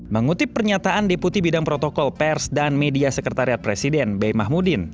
mengutip pernyataan deputi bidang protokol pers dan media sekretariat presiden bey mahmudin